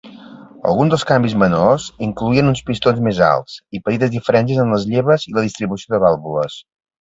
Alguns dels canvis menors incloïen uns pistons més alts i petites diferències en les lleves i la distribució de vàlvules.